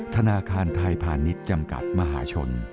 ธนาคารไทยพาณิชย์จำกัดมหาชน